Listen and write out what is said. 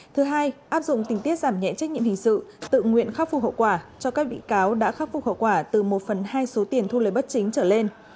thứ hai áp dụng tình tiết giảm nhẹ trách nhiệm hình sự tự nguyện khắc phục hậu quả cho các bị cáo đã khắc phục hậu quả từ một phần hai số tiền thu lời bất chính trở lên